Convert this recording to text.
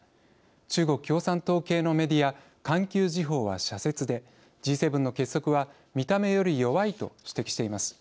中国共産党系のメディア環球時報は社説で「Ｇ７の結束は見た目より弱い」と指摘しています。